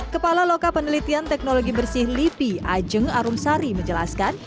kepala loka penelitian teknologi bersih lipi ajeng arumsari menjelaskan